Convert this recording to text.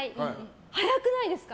早くないですか？